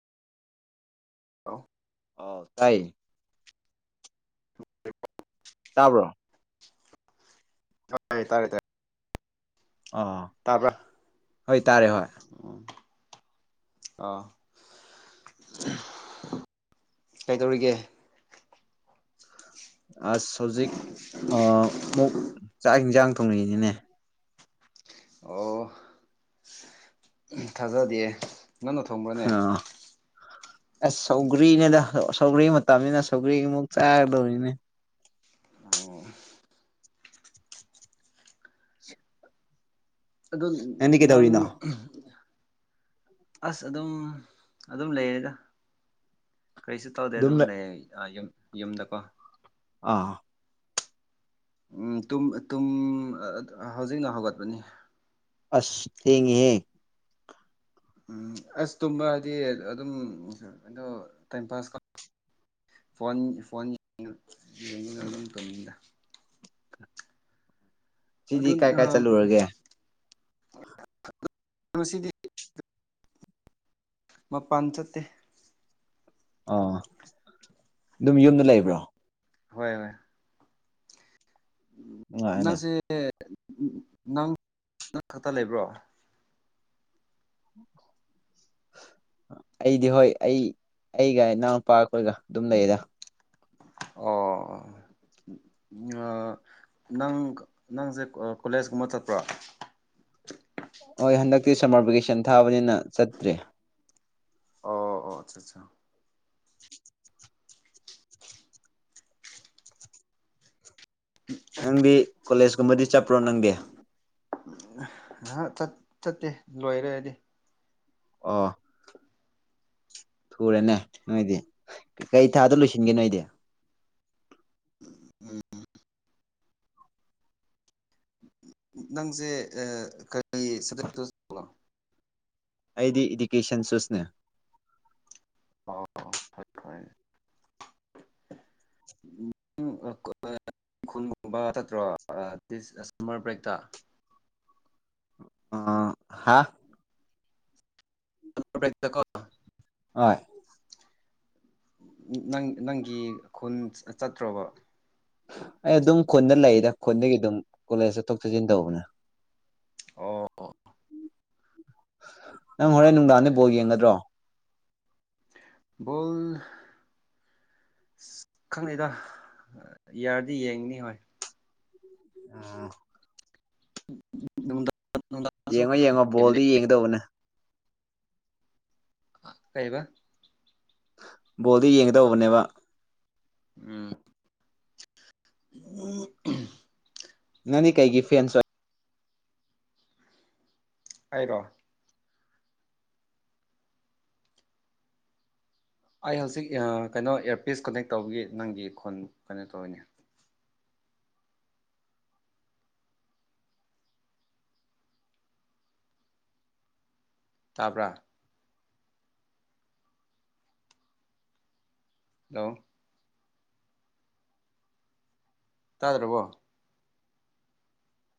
ꯑ ꯇꯥꯏ ꯇꯥꯕ꯭ꯔꯣ ꯇꯥꯔꯦ ꯇꯥꯔꯦ ꯇꯔꯦ ꯑ ꯍꯣꯏ ꯇꯥꯔꯦ ꯍꯣꯏ ꯎꯝ ꯑꯥ ꯀꯩꯗꯧꯔꯤꯒꯦ ꯑꯁ ꯍꯧꯖꯤꯛ ꯑꯃꯨꯛ ꯆꯥꯛ ꯏꯟꯁꯥꯡ ꯊꯣꯡꯅꯤꯡꯏꯅꯤꯅꯦ ꯑꯣ ꯊꯥꯖ ꯗꯦ ꯅꯪꯅ ꯊꯣꯡꯕ꯭ꯔꯅꯦ ꯑꯥ ꯑꯁ ꯁꯧꯒ꯭ꯔꯤꯅꯦꯗ ꯁꯧꯒ꯭ꯔꯤ ꯃꯇꯝꯅꯤꯅ ꯁꯧꯒ꯭ꯔꯤꯃꯨꯛ ꯆꯥꯒꯗꯧꯔꯤꯅꯦ ꯑꯣ ꯑꯗꯨꯣ ꯅꯪꯗꯤ ꯅꯪ ꯀꯩꯗꯧꯔꯤꯅꯣ ꯑꯁ ꯑꯗꯨꯝ ꯑꯗꯨꯝ ꯂꯩꯔꯦꯗ ꯀꯔꯤꯁꯨ ꯇꯧꯗꯦ ꯑꯗꯨꯝ ꯂꯩ ꯌꯨꯝ ꯌꯨꯝꯗꯀꯣ ꯑꯥ ꯎꯝ ꯇꯨꯝ ꯑꯇꯨꯝ ꯍꯧꯖꯤꯛꯅ ꯍꯧꯒꯠꯄꯅꯤꯗ ꯑꯁ ꯊꯦꯡꯉꯦꯍꯦ ꯎꯝ ꯑꯁ ꯇꯨꯝꯝꯕ ꯍꯥꯏꯗꯤ ꯑꯗꯨꯝ ꯑꯗꯣ ꯇꯥꯏꯝ ꯄꯥꯁꯧ ꯐꯣꯟ ꯌꯦꯡ ꯑꯗꯨꯝ ꯇꯨꯝꯅꯤꯡꯗ ꯑꯗꯨ ꯁꯤꯗꯤ ꯀꯥꯏ ꯀꯥꯏ ꯆꯠꯂꯨꯔꯒꯦ ꯉꯁꯤꯗꯤ ꯃꯄꯥꯟ ꯆꯠꯇꯦ ꯑꯥ ꯑꯗꯨꯝ ꯌꯨꯝꯗ ꯑꯗꯨꯝ ꯂꯩꯕ꯭ꯔꯣ ꯍꯣꯏ ꯍꯣꯏ ꯅꯨꯡꯉꯥꯏꯅꯦ ꯅꯪꯁꯦ ꯅꯪ ꯅꯪ ꯈꯛꯇ ꯂꯩꯕ꯭ꯔꯣ ꯑꯩꯗꯤ ꯍꯣꯏ ꯑꯩ ꯑꯩꯒ ꯏꯅꯥꯎꯅꯤꯄꯥ ꯑꯩꯈꯣꯏꯒ ꯑꯗꯨꯝ ꯂꯩꯌꯦꯗ ꯑꯣ ꯅꯪ ꯅꯪꯁꯦ ꯀꯣꯂꯦꯖꯀꯨꯝꯕ ꯆꯠꯄ꯭ꯔꯣ ꯍꯣꯏ ꯍꯟꯗꯛꯇꯤ ꯁꯝꯃꯔ ꯚꯦꯀꯦꯁꯟ ꯊꯥꯕꯅꯤꯅ ꯆꯠꯇ꯭ꯔꯦ ꯑꯣ ꯑꯣ ꯑꯆꯥ ꯑꯠꯆꯥ [inaudible] ꯅꯪꯗꯤ ꯀꯣꯂꯦꯖꯀꯨꯝꯕꯗꯤ ꯆꯠꯄ꯭ꯔꯣ ꯅꯪꯗꯤ ꯑꯍꯥ ꯆꯠꯇꯦ ꯂꯣꯏꯔꯦꯗꯤ ꯑꯥ ꯊꯨꯔꯦꯅꯦ ꯅꯣꯏꯗꯤ ꯀꯩ ꯊꯥꯗ ꯂꯣꯏꯁꯤꯟꯒꯦ ꯅꯣꯏꯗꯤ ꯎꯝ ꯅꯪꯁꯦ ꯀꯔꯤ [unintelligible] ꯑꯩꯗꯤ ꯏꯗꯨꯀꯦꯁꯟ ꯁꯨꯁꯅꯦ ꯑꯣ ꯐ [unintelligible] ꯈꯨꯟꯒꯨꯝꯕ ꯆꯠꯇ꯭ꯔꯣ ꯁꯝꯃꯔ ꯕ꯭ꯔꯦꯛꯇ ꯑ ꯍꯥ ꯕ꯭ꯔꯦꯛꯇ ꯀꯣ ꯍꯣꯏ ꯅꯪ ꯅꯪꯒꯤ ꯈꯨꯟ ꯆꯠꯇ꯭ꯔꯣꯕ ꯑꯩ ꯑꯗꯨꯝ ꯈꯨꯟꯗ ꯂꯩꯗ ꯈꯨꯟꯗꯒꯤ ꯑꯗꯨꯝ ꯀꯣꯂꯦꯖ ꯆꯠꯊꯣꯛ ꯆꯠꯁꯤꯟ ꯇꯧꯕꯅꯦ ꯑꯣ ꯅꯪ ꯍꯣꯔꯦꯟ ꯅꯨꯡꯗꯥꯡꯗ ꯕꯣꯜ ꯌꯦꯡꯒꯗ꯭ꯔꯣ ꯕꯣꯜ ꯑꯁ ꯈꯪꯅꯩꯗ ꯌꯥꯔꯗꯤ ꯌꯦꯡꯅꯤ ꯍꯣꯏ ꯑ ꯅꯃꯗ ꯌꯦꯡꯉꯣ ꯌꯦꯡꯉꯣ ꯕꯣꯜꯗꯤ ꯌꯦꯡꯒꯗꯧꯕꯅꯦ ꯀꯩꯕ ꯕꯣꯜꯗꯨ ꯌꯦꯡꯒꯗꯧꯕꯅꯦꯕ ꯎꯝ ꯑꯣ ꯅꯪꯗꯤ ꯀꯩꯒꯤ ꯐꯦꯟꯁ ꯑꯣꯏ ꯍꯥꯏꯔꯣ ꯑꯩ ꯍꯧꯖꯤꯛ ꯀꯩꯅꯣ ꯏꯌꯥꯔꯄꯤꯁ ꯀꯅꯦꯛ ꯇꯧꯕꯒꯤ ꯅꯪꯒꯤ ꯈꯣꯟ ꯀꯩꯅꯣ ꯇꯧꯔꯤꯅꯦ ꯇꯥꯕ꯭ꯔꯥ ꯍꯜꯂꯣ ꯇꯥꯗ꯭ꯔꯕꯣ